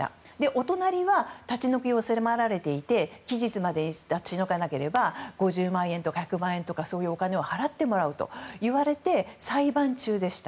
お隣は立ち退きを迫られていて期日までに立ち退かなければ５０万円とか１００万円のお金を払ってもらうといわれて裁判中でした。